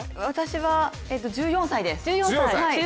私は１４歳です。